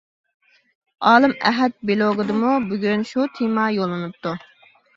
ئالىم ئەھەت بىلوگىدىمۇ بۈگۈن شۇ تېما يوللىنىپتۇ.